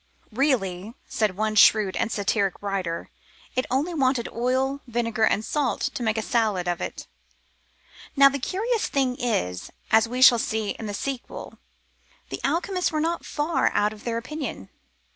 Really, said one shrewd and satiric writer, it only wanted oil, vinegar, and salt, to make of it a salad. Now the curious thing is — as we shall see in the sequel — the alchemists were not far out in their opinion.